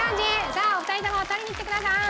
さあお二人とも取りに来てくださーい。